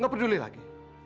gak peduli lagi